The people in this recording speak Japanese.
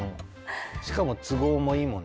しかも都合もいいもんね。